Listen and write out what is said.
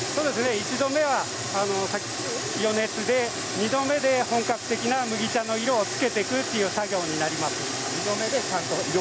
１度目は余熱で２度目で本格的な麦茶の色をつけていくという作業になります。